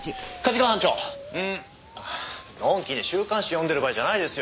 のんきに週刊誌読んでる場合じゃないですよ。